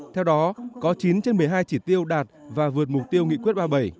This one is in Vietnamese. theo đó có chín trên một mươi hai chỉ tiêu đạt và vượt mục tiêu nghị quyết ba mươi bảy